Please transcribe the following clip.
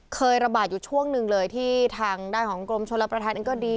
เคยระบาดอยู่ช่วงหนึ่งเลยที่ทางด้านของกรมชนรับประทานเองก็ดี